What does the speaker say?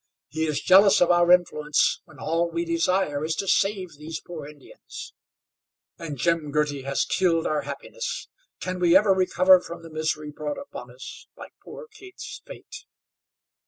He is jealous of our influence, when all we desire is to save these poor Indians. And, Jim, Girty has killed our happiness. Can we ever recover from the misery brought upon us by poor Kate's fate?"